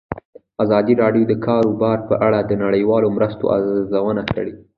ازادي راډیو د د کار بازار په اړه د نړیوالو مرستو ارزونه کړې.